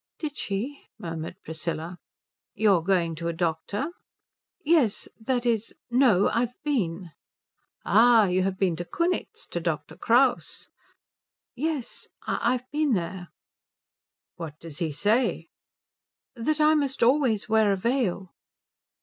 "Did she?" murmured Priscilla. "You are going to a doctor?" "Yes that is, no I've been." "Ah, you have been to Kunitz to Dr. Kraus?" "Y es. I've been there." "What does he say?" "That I must always wear a veil."